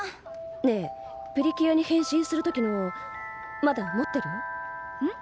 ねえプリキュアに変身する時のまだ持ってる？ん？